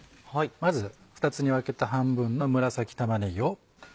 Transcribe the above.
まず２つに分けた半分の紫玉ねぎを。